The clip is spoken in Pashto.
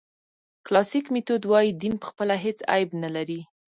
کلاسیک میتود وایي دین پخپله هېڅ عیب نه لري.